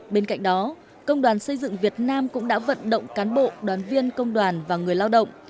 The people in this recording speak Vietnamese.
bên cạnh đó công đoàn xây dựng việt nam cũng đã vận động cán bộ đoàn viên công đoàn và người lao động